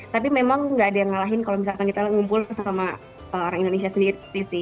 tapi memang nggak ada yang ngalahin kalau misalkan kita ngumpul sama orang indonesia sendiri sih